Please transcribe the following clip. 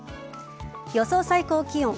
予想最高気温。